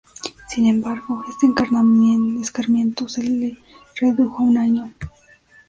Sin embargo, este escarmiento se le redujo a un año.